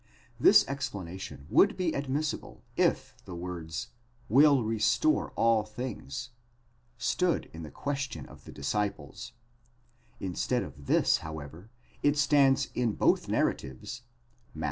This explanation would be admissible if the words ἀποκαταστήσει πάντα (will restore all things) stood in the question of the disciples ; instead of this, however, it stands in both narratives (Matt.